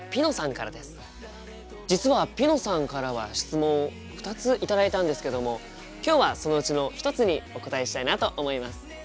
実はぴのさんからは質問を２つ頂いたんですけども今日はそのうちの一つにお答えしたいなと思います。